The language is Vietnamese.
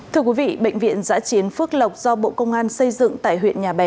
thưa quý vị bệnh viện giã chiến phước lộc do bộ công an xây dựng tại huyện nhà bè